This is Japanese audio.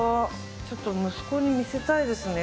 ちょっと息子に見せたいですね。